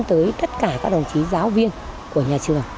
tới tất cả các đồng chí giáo viên của nhà trường